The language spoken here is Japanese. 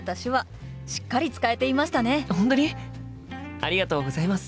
ありがとうございます！